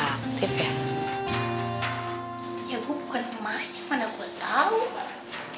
ya bukan emak emak yang mana kekuatau